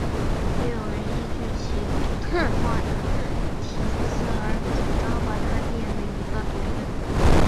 也有人依据其特化的体色而主张把它列为一个独立的种。